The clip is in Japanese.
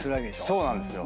そうなんですよ。